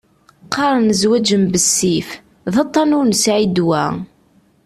Qaren zzwaǧ n bessif, d aṭṭan ur nesεi ddwa.